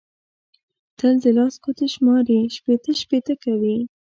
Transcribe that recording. تل د لاس ګوتې شماري؛ شپېته شپېته کوي.